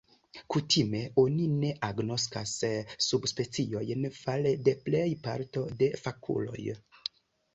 Kutime oni ne agnoskas subspeciojn fare de plej parto de fakuloj.